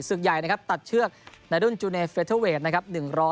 ศึกใหญ่นะครับตัดเชือกในรุ่นจูเนเฟเทอร์เวทนะครับ